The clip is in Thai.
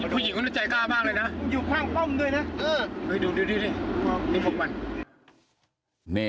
ดูนี่มีพวกมัน